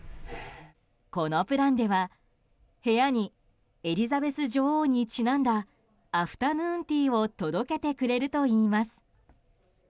このプランでは、部屋にエリザベス女王にちなんだアフタヌーンティーを届けてくれるといいます。